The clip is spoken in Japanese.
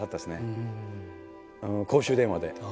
公衆電話で。